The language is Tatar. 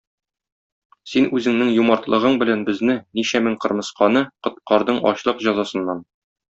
Син үзеңнең юмартлыгың белән безне, ничә мең кырмысканы, коткардың ачлык җәзасыннан.